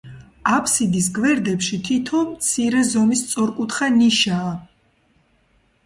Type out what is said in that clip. აფსიდის გვერდებში თითო მცირე ზომის სწორკუთხა ნიშაა.